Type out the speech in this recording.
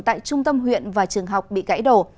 tại trung tâm huyện và trường học bị gãy đổ